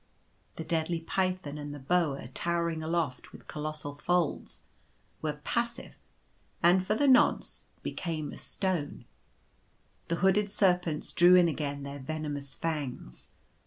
The deadly python and the boa towering aloft, with colossal folds, were passive, and for the nonce, became as stone. The hooded serpents drew in again their venomous fangs.